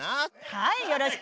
はいよろしくね。